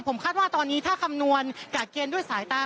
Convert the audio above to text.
ผมคาดว่าตอนนี้ถ้าคำนวณจากเกณฑ์ด้วยสายตา